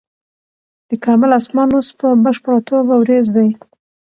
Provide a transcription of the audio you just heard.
د کابل اسمان اوس په بشپړه توګه وریځ دی.